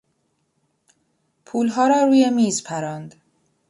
پولها را روی میز پراند.